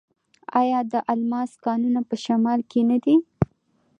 آیا د الماس کانونه په شمال کې نه دي؟